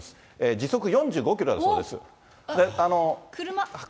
時速４５キロだそうです。